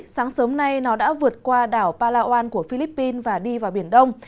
sáng sớm nay nó đã vượt qua đảo palawan của philippines và đi vào biển đông